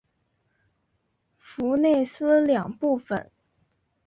弗内斯两部分。